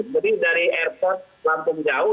jadi dari airport lampung jauh